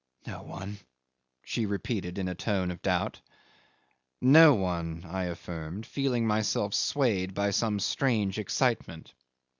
"No one," she repeated in a tone of doubt. "No one," I affirmed, feeling myself swayed by some strange excitement.